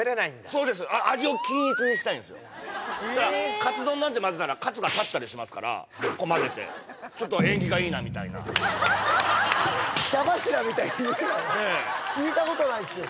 そうですカツ丼なんて混ぜたらカツが立ったりしますからこう混ぜてちょっと縁起がいいなみたいな聞いたことないっすよ